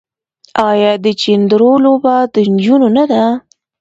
آیا د چيندرو لوبه د نجونو نه ده؟